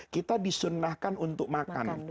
kita disunnahkan untuk makan